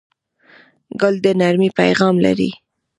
ګل د نرمۍ پیغام لري.